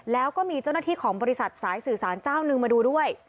แล้วก็มีเจ้าหน้าที่ของบริษัทสายสื่อสารเจ้านึงมาดูด้วย